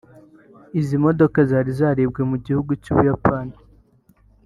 Izi modoka zari zaribwe mu gihugu cy’u Buyapani